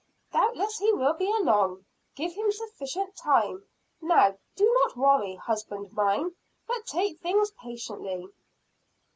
"Doubtless he will be along. Give him sufficient time. Now, do not worry, husband mine, but take things patiently."